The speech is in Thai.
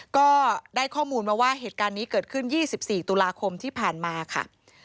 ก็ได้ข้อมูลมาว่าเหตุการณ์นี้เกิดขึ้น๒๔ตุลาคมที่ผ่านมาค่ะ